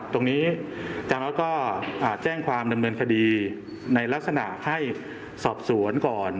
ตรงนี้อาจารย์ออสก็แจ้งความดำเนินคดีในลักษณะให้สอบสวนก่อน